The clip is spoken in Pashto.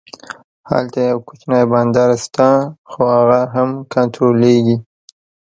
هلته یو کوچنی بندر شته خو هغه هم کنټرولېږي.